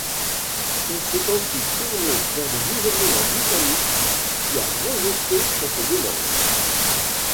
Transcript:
Il s’est ensuite tourné vers le gouvernement britannique qui a rejeté cette demande.